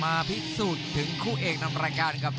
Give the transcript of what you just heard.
มาพิสูจน์ถึงคู่เอกนำรายการครับ